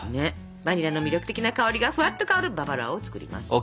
バニラの魅力的な香りがふわっと香るババロアを作ります！